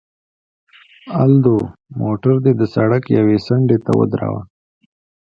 الدو، موټر دې د سړک یوې څنډې ته ودروه.